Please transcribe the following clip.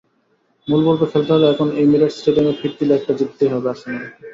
মূল পর্বে খেলতে হলে এখন এমিরেটস স্টেডিয়ামে ফিরতি লেগটা জিততেই হবে আর্সেনালকে।